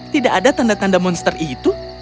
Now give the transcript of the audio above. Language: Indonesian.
tidak ada tanda tanda monster itu